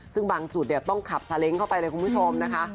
ซึ่งบางจุดต้องขับซาเล้งเข้าไปเลยคุณผู้ชมนะคะ